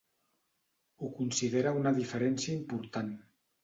Ho considera una diferència important.